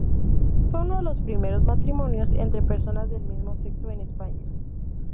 Fue uno de los primeros matrimonios entre personas del mismo sexo en España.